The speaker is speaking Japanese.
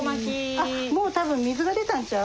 あっもう多分水が出たんちゃう？